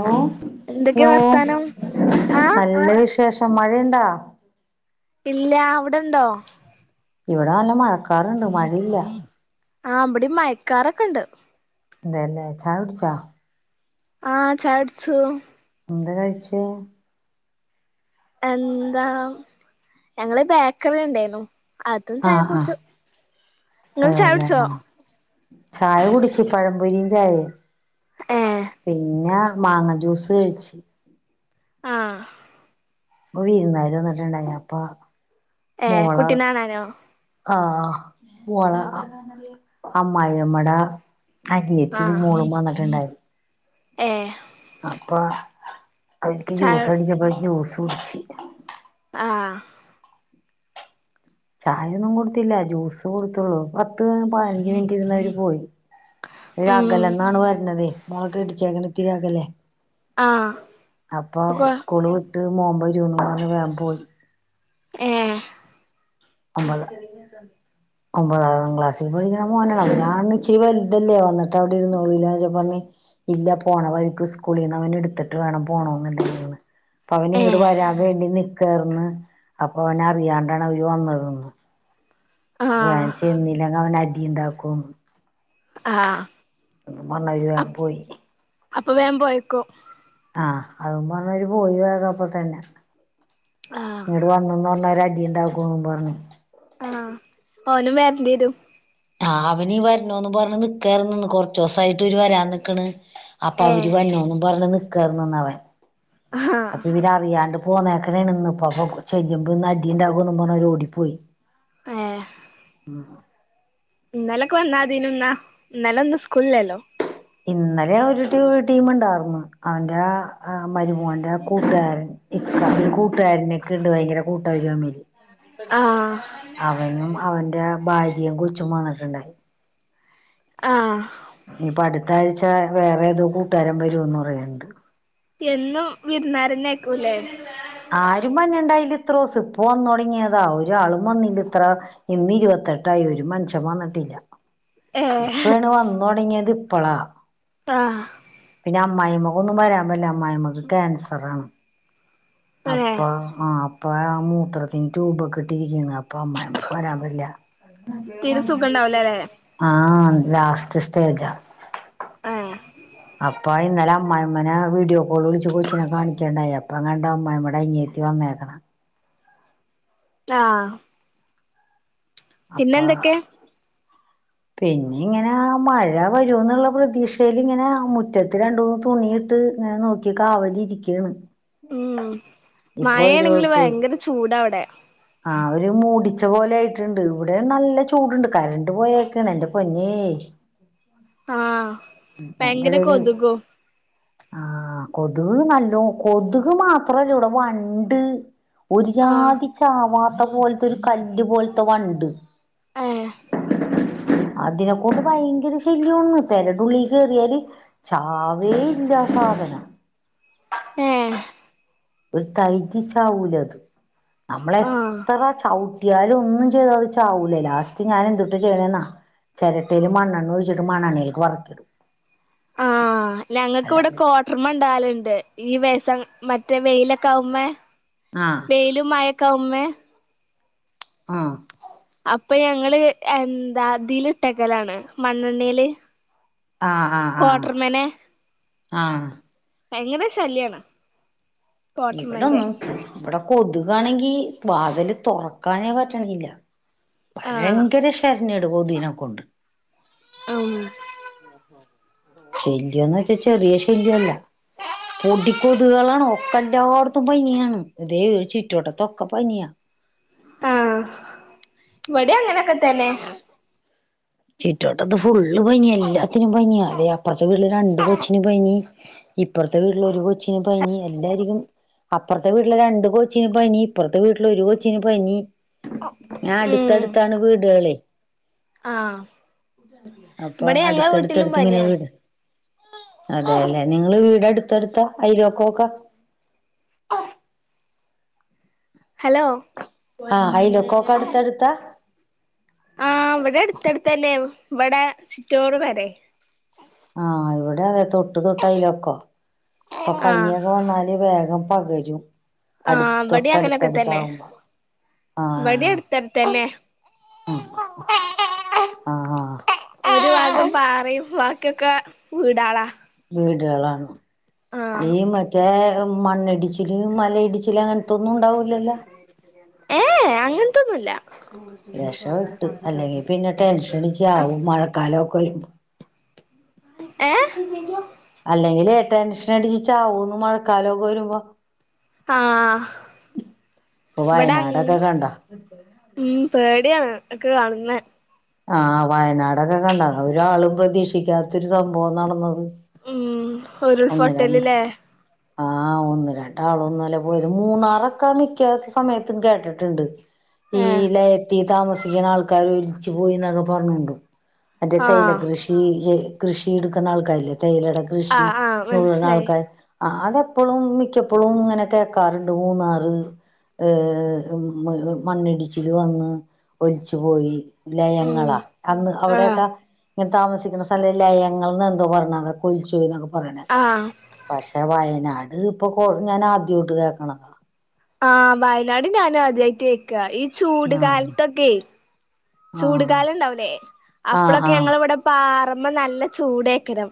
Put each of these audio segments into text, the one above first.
Hello, എന്തൊക്കെ hello വർത്താനം ആഹ് നല്ല വിശേഷം മഴയുണ്ടാ? ഇല്ലാ. അവ്ടെണ്ടൊ? ഇവടെ നല്ല മഴക്കാറ്ണ്ട്. മഴയില്ല ആഹ് ബെടിം മയക്കാറൊക്കെണ്ട്. തെന്നെ. ചായ കുട്ച്ചാ. ആഹ് ചായട്ച്ചൂ. ന്തെ കഴിച്ചു? എന്താ. ഞങ്ങള് ബേക്കറി ണ്ടായിനു. അതും ആഹ് ചായൊക്കെ ആഹ് കുട്ച്ചു. ങ്ങൾ ചായ അതല്ലേ കുട്‌ച്ചൊ? ആഹ് ചായ കുടിച്ചു. പഴംപൊരിയും ചായേം ഏഹ് പിന്നെ മാങ്ങ ജ്യൂസ് കഴിച്ച്. ആഹ് പ്പൊ വിര്ന്നാര് വന്ന്ട്ട് ണ്ടായി അപ്പൊ ഏഹ് മോളാ കുട്ടിനെ കാണാനോ ആഹ് ഈവള അമ്മായി അമ്മടെ അതിത്തിം ആഹ് മോളും വന്ന്ട്ട് ണ്ടായി ഏഹ് അപ്പൊ അവര്ക്ക് ചായ ജ്യൂസട്ച്ച്പ്പൊ ജ്യൂസ് കുട്‌ച്ച്. ആഹ് ചായൊന്നും കൊട്ത്തില്ലാ. ജ്യൂസ് കൊട്ത്തൊള്ളു. പത്ത്, പാഞ്ച് മിനിറ്റ് ഇര്ന്നവര് പോയി. ഓല് ഉം അകലെന്നാണ് വെര്നതെ. മൊളക് ഇടിച്ചേക്ക്ണ്. ഇത്തിരി അകലെ. ആഹ് അപ്പൊ കൊ ഉസ്ക്കൂള് വിട്ട് മോം വെരൂന്ന് പർഞ്ഞ് വേം പോയി. ഏഹ് അമ്പ [unintelligible] ഒമ്പതാം ക്ലാസ്സിൽ പഠിക്ക്ണെ മോനെല്ലെ. ഞാപർഞ്ഞ് ഇച്ചരി വെൽതെല്ലെ വന്ന്ട്ട് അവ്ടെ ഇര്‌ന്നോളൂലെച്ചപ്പം പർഞ്ഞ് ഇല്ല പോണ വഴിക്ക് സ്ക്കൂളിന്ന് അവനെ എട്ത്ത്ട്ട് വേണം പോണോന്ന് [inaudible] ന്ന് പ്പ അവന് ഇങ്ങട് ഏഹ് വരാം വേണ്ടി നിക്കാന്ന് അപ്പൊ ഓനറിയാണ്ടാണ് അവര് വന്ന... ആഹ് വേം ചെന്നില്ലെങ്ക അവന് അടി ണ്ടാക്കും. ആഹ് പിന്നെ വന്നാതിരി വേം അപ് പോയി. അപ്പൊ വേം പോയേക്കു ആഹ് അതും പർഞ്ഞവര് പോയി [unintelligible] അപ്പ തന്നെ. ആഹ് ഇവ്ടെ വന്ന്ന്നർഞ്ഞാ ഒരടിണ്ടാക്കൂന്നും പർഞ്ഞ്. ആഹ്. ഓനും വെര്ണ്ട്വെരും. ആഹ് അവനീം വെർണോന്നും പർ ഞ്ഞ് നിക്കായ്ര്ന്ന് ന്ന്. കൊർച്ചോ സായിട്ട് ഇവര് വരാൻ നിക്ക്ണ്. അപ്പോ അവർ ഏഹ് വരുണു പറഞ്ഞ് നിൽക്കാരുന്നു അവൻ ആഹ് അപ്പോ ഇവര് അറിയാണ്ട് പോന്നേക്കണേ ഇന്ന് ഇപ്പോ ചെല്ലുമ്പോൾ ഇന്ന് അടി ഉണ്ടാവുപറഞ് അവർ ഓടിപ്പോയി ഏഹ് ഇന്നലക്കെ വന്നാതിനു ഇന്നാ ഇന്നലെ ഇന്ന് സ്ക്കുളില്ലല്ലോ ഇന്നലെ ഒരു ടീം ഉണ്ടായിർന്ന് അവന്റെ മരുമോന്റെ ആ കൂട്ടുകാരൻ ഈ കൂട്ടുകാരൻക്ക് ഇണ്ട് ഭയങ്കര കൂട്ട ആഹ് [unintelligible] അയനും അവന്റെ ഭാര്യയും കൊച്ചും വന്നിട്ടുണ്ടായി ആഹ് ഇനിയിപ്പോ അടുത്ത ആഴ്ച വേറെ ഏതോ കൂട്ടുകാരം വരുംന്ന് പറയണ്ട് എന്നും വിരുന്നാരന്നെയെക്കുല്ലെ ആരും വന്നുണ്ടായില്ല ഇത്ര ദിവസം ഇപ്പോ വന്നു തുടങ്ങിയതാ ഒരാളും വന്നില്ല ഇത്ര ഇന്ന് ഇരുപത്തെട്ടായി ഒരു മൻഷൻ വന്നിട്ടില്ല ഏഹ് ഇപ്പാണ് വന്ന തുടങ്ങിയത് ഇപ്പളാ ആഹ് പിന്നെ അമ്മായിമ്മക്കന്നും വരാൻ പറ്റില്ല അമ്മായിമ്മയ്ക്ക് ക്യാൻസറണ് ഏഹ് അപ്പോ ആ അപ്പോ മൂത്രത്തിന് ട്യുബക്കെ ഇട്ടിരിക്കാണ് അപ്പോ അമ്മായിമ്മാക്ക് വരാൻ പറ്റില്ല തീരെ സുഖണ്ടാവൂലല്ലേ ആഹ് ലാസ്റ്റ് സ്റ്റേജാ ആഹ് അപ്പോ ഇന്നാലെ അമ്മായിമ്മനെ വീഡിയോ കോൾ വിളിച്ച് കൊച്ചിനെ കാണിക്കേണ്ടായി അപ്പോ അമ്മായിമ്മാന്റെ അനിയ ത്തിവന്നെക്ക്ണ് ആഹ് അപ്പോ പിന്നെന്തൊക്കെ പിന്നെ ഇങ്ങനെ മഴ വരൂ എന്നുള്ള പ്രതിക്ഷയിൽ ഇങ്ങനെ മുറ്റത്ത് രണ്ടന്ന് തുണി ത്തങ്ങനെ നോക്കി കാവലി ഇരിക്കയാണ്. ഉ ഇപ്പൊ ഒരു മഴയാണെങ്കിലും ഭയങ്കര ചൂടാണിവിടെ ആ ഒരു മൂടിച്ച പോലെ ആയിട്ടുണ്ട് ഇവിടെ നല്ല ചൂടുണ്ട് കരണ്ട് പോയക്കാണ് എന്റെ പൊന്നേ ആഹ് ഭയങ്കര അയ്ന്റെടെയില് കൊതുകും ആഹ് കൊതുക് നല്ലോ കൊതുക് മാത്രല്ല ഇവിടെ വണ്ട് ഒരു ആഹ് ജാതി ചാവാത്ത പോലത്തെ ഒരു കല്ല് പോലത്തെ വണ്ട് ഏഹ അതിനെക്കൊണ്ട് ഭയങ്കര ശല്യംന്ന് പെരന്റെള്ളിൽ കേറിയല് ചാവെ ഇല്ല ആ സാധനം ഏഹ് ഒരു തൈതി ചാവലത് ആഹ് നമ്മളെത്ര ചവി ട്ടിയാലും ഒന്നും ചെയ്താ ചാവൂലേ ലാസ്റ്റ് ഞാനന്തുട്ടാ ചെയ്ണന്നോ ചിരട്ടെല് മണ്ണെണ്ണ ഒഴിച്ച് മണ്ണണ്ണലെക്ക് വറക്കിടും ആഹ് ഞങ്ങൾക്ക് ഇവിടെ അല്ലാണ്ട് കോ ർമ്മണ്ടാല്ണ്ട്. ഈ വേസം മറ്റേ മെയ്ലക്കാവുമ്പോ ആഹ് വെയിലും മഴക്കാവുമ്മെ ആഹ് അപ്പോ ഞങ്ങള് എന്താഇതില് ഇട്ടക്കലാണ് മണ്ണണ്ണെൽ ആഹ് ആഹ് ആഹ് കോട്ടർമ്മാനെ ആഹ് ഭയങ്കര ശല്യാണ് ക്വാട്ടർമന്റെ ഇവെടൊന്നും വെടെ കൊത്കാണെങ്കി വാത്‌ല് താെറക്കാനേ പറ്റണില്ലാ ആഹ് ഭഴെങ്കെര ശര്ണ്യാണ് കൊത്കിനെ കൊണ്ട് അം ശല്യാെന്ന് വെച്ചാ ചെറിയ ശല്ല്യൊല്ലാ പൊടിക്കൊത്കളാണ് ഒക്കെ എല്ലാട്ത്തും പനിയാണ് ഇതേ ഒരു ചിറ്റുവട്ടത്തൊക്കെ പനിയാ ആഹ് ഇവടിം അങ്ങനെക്കെ തന്നെ ചിറ്റ് വട്ടത് ഫുള്ള് പനിയാ എല്ലാത്തിനും പനിയാ തേ അപ്പർത്തെ വീട്ട്ല് രണ്ട് കൊച്ചിനും പനി ഇപ്പാെർത്തെ വീട്ട്ല് ഒരു കൊച്ചിന് പനി എല്ലാര്ക്കും അപ്പർത്തെ വീട്ട്ലെ രണ്ട് കൊച്ചിന് പനി ഇപ്പർത്തെ വീട്ട്ലെ ഒരു കൊച്ചിന് പനി ആഹ് ഉം അട്ത്തട്ത്താണ് വീട്കളെ ആഹ് അപ്പൊ ബെടെ ഞങ്ങളെ വീട്ടിലും പനിയാ അതേല്ലെ നിങ്ങളെ വീട് അട്ത്തട്ത്താ അയ്ലോക്കാേക്കാ ഹലോ ആഹ് അയ്ലോക്കോക്ക അട്ത്തട്ത്താ ആഹ് വെടെ എട്ത്തട്ത്തന്നേ വെടെ ചിറ്റോട് പെരേ ആഹ് ഇവെടെ അങ്ങെ തൊട്ട് തൊട്ടയ്ലോക്കാ അപ്പം ആഹ് പനിയൊക്കെ വന്നാല് വേഗം പകരും ആഹ് അട്ത്ത് ഇവിടേം അങ്ങനൊക്കെ തൊട്ടട്ത്തട്ത്താവുമ്പം ആഹ് തെപ്തെന്നെ ഉം ആഹ് ആഹ് ഒരു ഭാഗം പാറിം ബാക്ക്യൊക്ക വീടാളാ വീട്കളാണ് ആഹ് ഈ മറ്റേ മണ്ണിടിച്ചില് മലയിടിച്ചിലങ്ങൻ ത്തൊന്നും ണ്ടാവൂല്ലല്ലാ ഏഹ് ഏഹ് അങ്ങൻത്തൊന്നുല്ലാ രെഷപ്പെട്ട് അല്ലെങ്കി പിന്നെ ടെൻഷൻടിച്ച് ചാവും മഴക്കാലൊക്കെ വെരുമ്പോ ഏഹ് അല്ലെങ്കിലേ ടെൻഷനടിച്ച് ചാവൂന്ന് മഴക്കാലോക്കെ വരുമ്പം ആഹ് പ്പാെ ഇവിടെ വയനാടൊക്കെ കണ്ടോ ഉം പേട്യാണ് ഒക്കെ കാണ്ന്നെ ആഹ് വയനാടൊക്കെ കണ്ടാ ഒരാളും പ്രതീക്ഷിക്കാത്താെരു സംഭവം നടന്നത് ഊം ഒന്ന് രണ്ട് ആഹ് ഒന്ന് രണ്ടാളൊന്നും അല്ല പോയെത് മൂന്നാറൊക്കാ മിക്ക്യ സമയത്തും കേട്ട്ട്ട്ണ്ട് ഈ ഏ ലയത്തി താമസിയ്ക്ക്ണ ആൾക്കാര് ഒലിച്ച് പോയീന്നൊക്കെ പർഞ്ഞോണ്ടു മറ്റേ തേയില ആഹ് കൃഷി ഇ കൃഷി ഇട്ക്ക്ന്ന ആൾക്കാര്ല്ലേ തേയിലേടെ കൃഷി ആഹ് ആഹ് മനസ്സിലായി ആഹ് അതെപ്പെളും മിക്ക്യപ്പളും ങ്ങെനെ കേക്കാറ്ണ്ട് മൂന്നാറ് ഏഹ് മ് മണ്ണിടിച്ചില് വന്ന് ഒലിച്ച് പോയി ഉം ലയങ്ങളാ അന്ന് ആഹ് അവ്ടെയൊക്കാ ങ്ങെനെ താമസിക്ക്ന്ന സ്ഥലം ലയങ്ങൾന്നെന്തോ പർഞ്ഞ് അതാെക്കെ ഒലിച്ചോയ്ന്നൊക്കെ പറയ്ണേ ആഹ് പക്ഷെ വയനാട് ഇപ്പം കൊ ഞാനാദ്യോട്ട് കേക്ക്ണെ ആഹ് വയനാട് ഞാനും ആദ്യായ്ട്ട് കേക്കാ ഈ ചൂട് ആഹ് കാൽത്തൊക്കേ ആഹ് ചൂട്കാലംണ്ടാവൂലേ ആഹ് അപ്പളൊക്കെ ആഹ് ഞങ്ങളെവെടെ പാറമ്മ നല്ല ചൂടേക്കെരം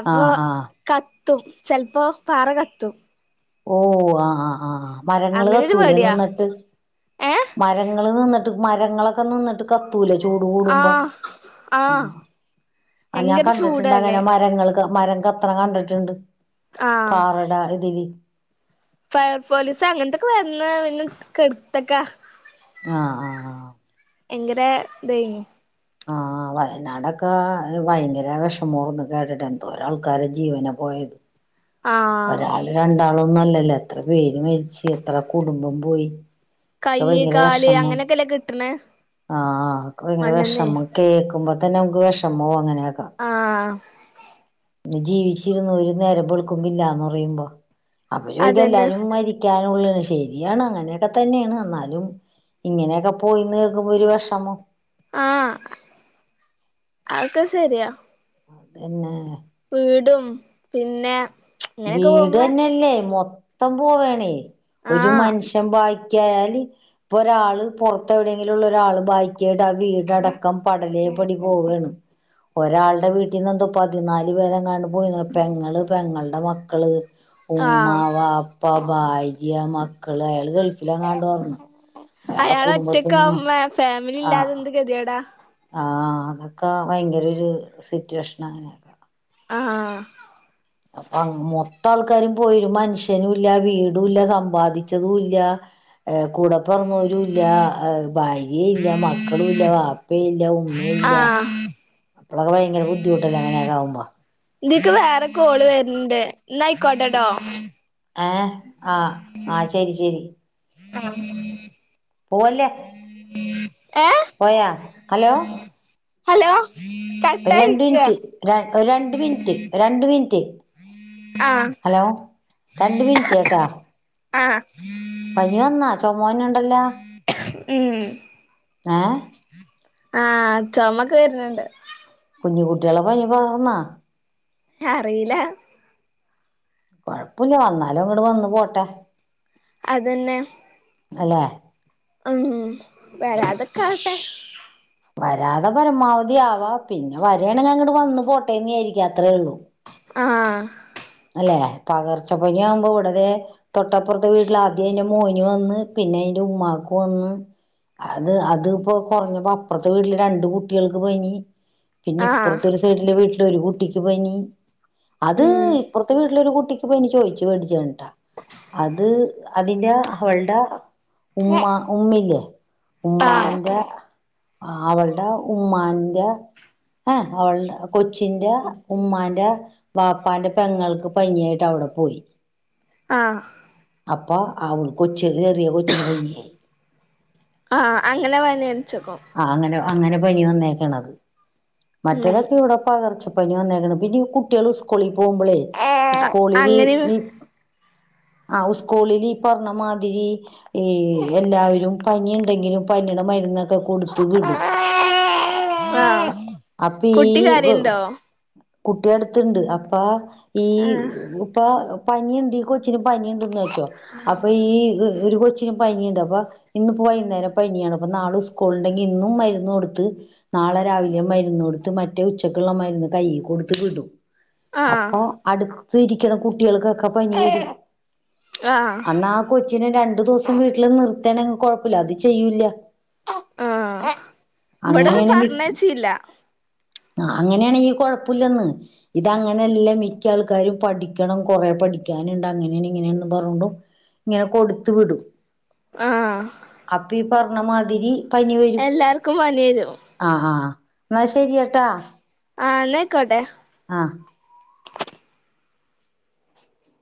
അപ്പോ ആഹ് ആഹ് കത്തും ചെൽപ്പോ പാറ കത്തും ഓഹ് ആഹ് ആഹ് ആഹ് ആ മരങ്ങള് അങ്ങനൊരു കത്തൂലെ പേടിയാ നിന്ന്ട്ട്? ഏ മരങ്ങള് നിന്ന്ട്ട് മരങ്ങളൊക്കെ നിന്നിട്ട് കത്തൂലെ ചൂട് കൂടുമ്പം? ആഹ് ആഹ് ആ ഞാൻ ഭയങ്കര കണ്ട്ട്ടുണ്ട് ചൂടല്ലേ അങ്ങനെ മരങ്ങള് മരം കത്തണ കണ്ട്ട്ട്ണ്ട് ആഹ് പാറടെ ഇതില് ഫയർ പോലീസ് അങ്ങൻത്തൊക്കെ വന്ന് പിന്നെ കെട്ത്തക്ക ആഹ് ആഹ് ആഹ് ഭയങ്കര ഇതേനി ആഹ് വയനാടക്കെ ഭയങ്കര വിഷമോർന്ന് കേട്ടിട്ട് എന്തോരാൾക്കാര് ജീവന പോ യത് ആഹ് ഒരാള് രണ്ടാളൊന്നും അല്ലല്ലോ എത്ര പേര് മരിച്ച് എത്ര കുടുംബം പോയി ഒക്കെ കയ്യ് ഭയങ്കര കാല് വെഷമം അങ്ങനെയൊക്കെല്ലേ കിട്ടണേ ആഹ് ഭയങ്കര വെഷമം മണ്ണ്ന്നേ കേക്കുമ്പത്തന്നെ നമുക്ക് വെഷമാവും അങ്ങനെയൊക്കാ ആഹ് ഇന്ന് ജീവിച്ചിരുന്നവര് നേരം വെളുക്കുമ്പോ ഇല്ലാന്ന് പറയുമ്പോ അവര് അതന്നെ എല്ലാരും മരി ക്കാനുള്ളെയാണ് ശരിയാണ് അങ്ങനെയൊക്കെ തന്നെയാണ് എന്നാലും ഇങ്ങനെയൊക്കെ പോയീന്ന് കേക്കുമ്പോ ഒരു വെഷമം ആഹ് അതൊക്കെ സെരിയാ അതെന്നെ വീടും പിന്നെ ഇങ്ങനെയൊക്കെ പോകുമ്പോ വീടന്നെ ഇല്ലേ മൊത്തം പോവാണേ ഒരു ആഹ് മനുഷ്യൻ ബാക്കിയായാല് ഇപ്പൊരാള് പൊറത്തെവിടെങ്കിലും ഉള്ളൊരാള് ബാക്കിയായിട്ട് വീടടക്കം പടലേ പടി പോവാണ് ഒരാളുടെ വീട്ടിന്നെന്തോ പതിനാല് പേരെങ്ങാണ്ട് പോയി പെങ്ങൾ പെങ്ങളെ മക്കള്, ഉമ്മാ ആഹ് വാപ്പാ ഉപ്പ, ഭാര്യ, മക്കള്, അയാള് ഗൾഫിലാങ്ങാണ്ട് തോന്ന്ണ് അയാള് ഒറ്റക്കാവുമ്പേ ഫാമിലില്ലാതെന്ത് കെതിയെടാ ആ അതൊക്കെ ഭയങ്കരൊരു സിറ്റുവേഷനാണ് ആഹ് അപ്പൊ മൊത്താൾക്കാരും പോയി ഒരു മനുഷ്യനും ഇല്ല വീടൂല്ല സമ്പാദിച്ചതുംല്ല്യ ഏഹ് കൂടെപിറന്നോരുല്ല്യ, ഭാര്യയില്ല്യ, മക്കളുല്ല്യ, വാപ്പയില്ല, ഉ ആഹ് അപ്പളൊക്കെ ഭയങ്കര ബുദ്ധിമുട്ടല്ലേ അങ്ങനൊക്കെയാകുമ്പോ ഇതീക്ക് വേറെ കോള് വര്ണ് ണ്ട് ഇന്നാ അയിക്കോട്ടെട്ടോ ഏഹേ ആ ആ ശരി ശരി ആഹ് പോവല്ലേ [inaudible] പോയാ? ഹലോ ഹലോ കട്ട് ഒരു രണ്ട് മിനിറ്റ് രണ്ട് മിനിറ്റ് രണ്ട് മിനിറ്റ് ആഹ് ഹലോ രണ്ട് മിനിറ്റ് കേട്ടോ? ആഹ് പനി വന്നാ ചുമവരുന്നുണ്ടല്ലോ ഉം ഏഹ് ആഹ് ചുമക്കെ വരുന്നുണ്ട് കുഞ്ഞു കുട്ടികളെ പനി പകർന്നോ അറിയില്ല കൊഴപ്പുല്ല വന്നാലും അങ്ങട്ട് വന്നു പോട്ടെ അതന്നെ അലേ മ് വരാതെ നിൽക്കട്ടെ വരാതെ പരമാവധി ആവാ പിന്നെ വരണെങ്കിൽ അങ്ങോട്ട് വന്നു പോട്ടേന്നീ വിചാരിക്കാ അത്രേള്ളൂ ആഹ് അല്ലെ പകർച്ചപ്പനി ആവുമ്പോ വിടരെ തൊട്ടപ്പുറത്തെ വീട്ടിൽാദ്യം അതിന്റെ മോന് വന്ന് പിന്നെ അതിന്റെ ഉമ്മാക്ക് വന്ന് അത് അതിപ്പോ കുറഞ്ഞപ്പോ അപ്പുറത്തെ വീട്ടില് രണ്ട് കുട്ടികൾക്ക് പനി പിന്നെ ആഹ് ഇപ്പുറത്തെ ഒരു സൈഡിലെ വീട്ടില ഒരു കുട്ടിക്ക് പനി അത് ഉം ത്താ വീട്ടില ഒരു കുട്ടിക്ക് പനി ചോദു മേടിച്ചയാട്ടാ അത് അതിന്റെ അവൾടെ ഉമ്മ ഉമ്മില്ലേ ആഹ് ഉമ്മാന്റെ ആവൾടെ ഉമ്മാന്റെ ഏഹ് അവള കൊച്ചിന്റെ ഉമ്മാന്റെ ബാപ്പാന്റെ പെങ്ങൾക്ക് പനിയായിട്ട് അവിടെ പോയി ആഹ് അപ്പൊ [unintelligible] കൊച്ചിന് ചെറിയ കൊച്ചിന് പനി ആയ് ആഹ് അങ്ങനെ [unintelligible] ആ അങ്ങനെ അങ്ങനെ പനി വന്നേക്കണത് ഉം മറ്റേതൊക്കെ ഇവിടെ പകർച് പനി വന്നേക്കണം പിന്നെ കുട്ടികള് സ്കൂളിൽ പോകുമ്പോളേ സ്കൂളില് അങ്ങനെ ഈ ആഹ് ഉസ്കൂളിൽ ഈ പറഞ്ഞ മാതിരി ഏയ് എല്ലാവരും പനി ഉണ്ടെങ്കിലും പനിയുടെ മരുന്നൊക്കെ കൊടുത്തു വിടും ആഹ് അപ്പ കുട്ടി ഈ കരയുണ്ടോ കുട്ടിയടുത്തിണ്ട് അപ്പ ഈ ആഹ് ഇപ്പ പനിയുണ്ട് ഈ കൊച്ചിന് പനിയുണ്ടെന്ന് വെച്ചോ അപ്പൊ ഈ ഒരു കൊച്ചിനും പനിണ്ട് അപ്പൊ ഇന്നിപ്പം വൈന്നേരം പനിയാണ് അപ്പൊ നാളെ ഉസ് കൂൾണ്ടെങ്കി ഇന്നും മരുന്ന് കൊടുത്ത് നാളെ രാവിലെ മരുന്ന് കൊടുത്ത് മറ്റേ ഉച്ചക്കുള്ള മരുന്ന് കൈയ്യി കൊടുത്ത് വിടും ആഹ് അപ്പൊ അടുത്ത് ഇരിക്കണ കുട്ടികൾക്കൊക്കെ പനി വരും ആഹ് അന്നാ ആ കൊച്ചിനെ രണ്ടു ദിവസം വീട്ടിൽ നിർതാണെണെങ്കിൽ കുഴപ്പില്ല അത് ചെയ്യൂല്ല ആഹ് ഇവിടൊന്നും പറഞ്ഞച്ചീല്ല ആഹ് അങ്ങനെയാണെങ്കി കൊഴപ്പൂല്ലെന്ന് ഇതങ്ങനെയല്ല മിക്ക ആൾക്കാരും പഠിക്കണം കൊറെേ പഠിക്കാനുണ്ട് അങ്ങനെയാണ് ഇങ്ങനെയാണെന്ന് പറഞ്ഞോണ്ടും ഇങ്ങനെ കൊടുത്ത് വിടും ആഹ് അപ്പ ഈ പറഞ്ഞ മാതിരി എല്ലാർക്കും പനിരും ആഹ് ആഹ് എന്നാ ശരിയട്ടാ ആഹ് ന്നേക്കോട്ടെ ആഹ്